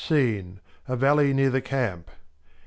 SCENE A Valley near the Camp.